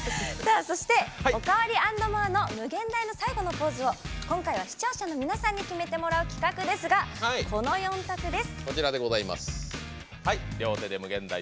そしておかわりａｎｄｍｏｒｅの「無限大」の最後のポーズを今回は視聴者の皆さんに決めてもらう企画ですがこの４択です。